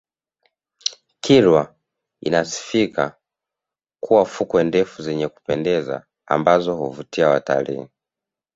kilwa inasifika kuwa na fukwe ndefu zenye kupendeza ambazo huvutia watalii